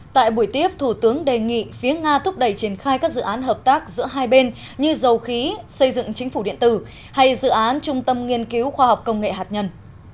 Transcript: tại buổi tiếp thủ tướng đề nghị phía nga thúc đẩy triển khai các dự án hợp tác giữa hai bên như dầu khí xây dựng chính phủ điện tử hay dự án trung tâm nghiên cứu khoa học công nghệ hạt nhân